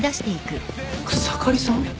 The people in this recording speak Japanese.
草刈さん？